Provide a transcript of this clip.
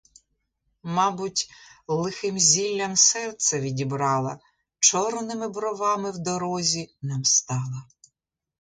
Мабуть, лихим зіллям серце відібрала, чорними бровами в дорозі нам стала.